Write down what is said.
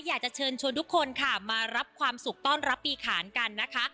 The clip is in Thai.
อยากจะเชิญชวนทุกคนค่ะมารับความสุขต้อนรับปีขานกันนะคะ